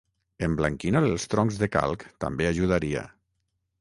Emblanquinar els troncs de calc també ajudaria.